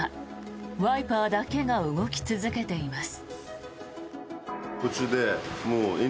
ワイパーだけが動き続けています。